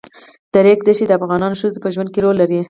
د ریګ دښتې د افغان ښځو په ژوند کې رول لري.